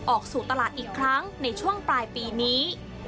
ออกสู่ตลาดอีกครั้งในช่วงปลายปีนี้